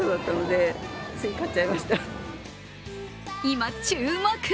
今、注目！